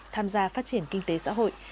tham gia phát triển kinh tế xã hội